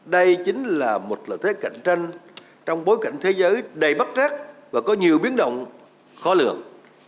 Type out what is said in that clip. đây chính là một lợi thế cạnh tranh trong bối cảnh thế giới đầy bắt trắc và có nhiều biến động khó lược